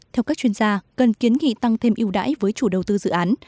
theo các chuyên gia cần kiến nghị tăng thêm yêu đáy với chủ đầu tư dự án